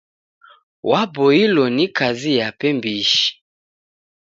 Waboilo ni kazi yape mbishi.